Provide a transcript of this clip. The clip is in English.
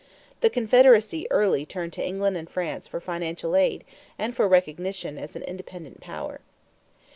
The Confederacy early turned to England and France for financial aid and for recognition as an independent power.